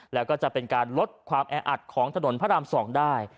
แล้วก็จะเป็นการลดความแออัดของถนนพระราม๒ได้